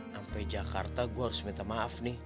sampai jakarta gue harus minta maaf nih